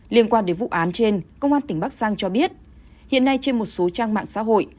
liên quan đến vụ án trên công an tỉnh bắc giang cho biết hiện nay trên một số trang mạng xã hội